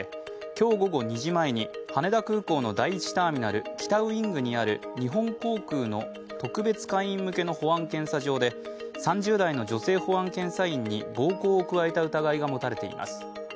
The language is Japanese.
今日午後２時前に羽田空港の第１ターミナル北ウイングにある日本航空の特別会員向けの保安検査場で３０代の女性保安検査員に暴行を加えた疑いが持たれています。